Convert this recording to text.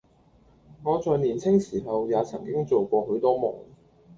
我在年青時候也曾經做過許多夢，